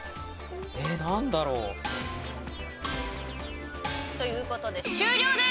何だろう？ということで終了です！